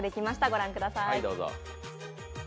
御覧ください。